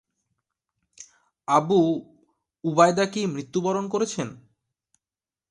Abu Ubaidah কি মৃত্যুবরণ করেছেন?